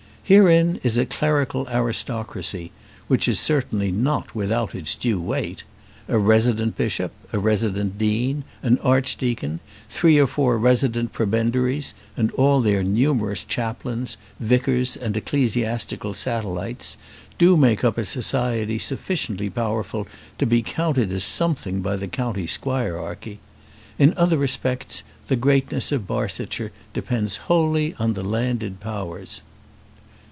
Herein is a clerical aristocracy, which is certainly not without its due weight. A resident bishop, a resident dean, an archdeacon, three or four resident prebendaries, and all their numerous chaplains, vicars, and ecclesiastical satellites, do make up a society sufficiently powerful to be counted as something by the county squirearchy. In other respects the greatness of Barsetshire depends wholly on the landed powers.